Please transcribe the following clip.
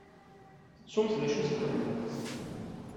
Tettumt d acu i s-txedmemt?